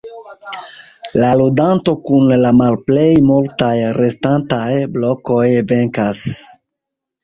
La ludanto kun la malplej multaj restantaj blokoj venkas.